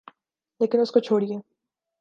لیکن اس کو چھوڑئیے۔